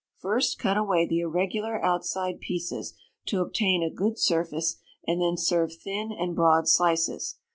First cut away the irregular outside pieces, to obtain a good surface, and then serve thin and broad slices.